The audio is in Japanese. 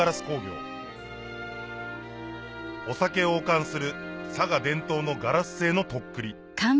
工業お酒をおかんする佐賀伝統のガラス製のとっくり